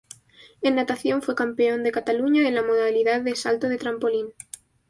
En natación, fue campeón de Cataluña en la modalidad de salto de trampolín.